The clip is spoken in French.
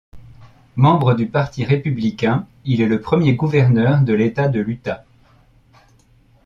Membre du Parti républicain, il est le premier gouverneur de l'État de l'Utah.